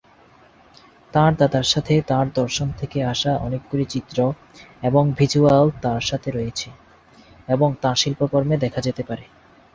তাঁর দাদার সাথে তাঁর দর্শন থেকে আসা অনেকগুলি চিত্র এবং ভিজ্যুয়াল তাঁর সাথে রয়েছে এবং তাঁর শিল্পকর্মে দেখা যেতে পারে।